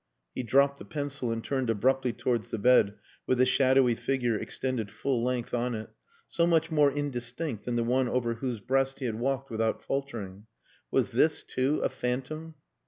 He dropped the pencil and turned abruptly towards the bed with the shadowy figure extended full length on it so much more indistinct than the one over whose breast he had walked without faltering. Was this, too, a phantom?